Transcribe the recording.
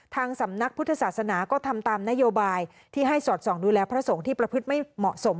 ทางสำนักพุทธศาสนาก็ทำตามนโยบายที่ให้สอดส่องดูแลพระสงฆ์ที่ประพฤติไม่เหมาะสม